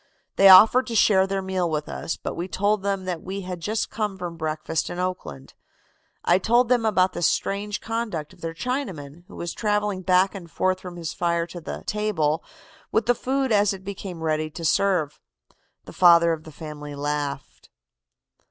They offered to share their meal with us, but we told them that we had just come from breakfast in Oakland. I told them about the strange conduct of their Chinaman, who was traveling back and forth from his fire to the 'table' with the food as it became ready to serve. "The father of the family laughed."